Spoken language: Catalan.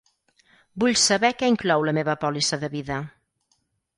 Vull saber què inclou la meva pòlissa de vida.